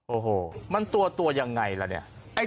โอ้โหมันตัวยังไงล่ะเนี่ย